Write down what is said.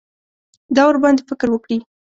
دا ورباندې فکر وکړي.